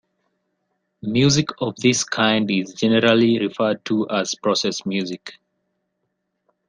Music of this kind is generally referred to as process music.